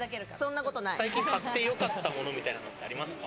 最近、買ってよかったものみたいなのありますか？